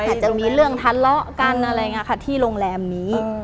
อาจจะมีเรื่องทะเลาะกันอะไรอย่างนี้ค่ะที่โรงแรมนี้